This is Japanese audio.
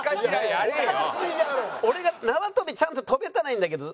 俺が縄跳びちゃんと跳べたらいいんだけど。